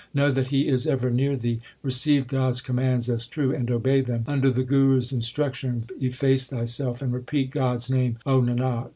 Know that He is ever near thee. Receive God s commands as true and obey them. Under the Guru s instruction efface thyself And repeat God s name, Nanak.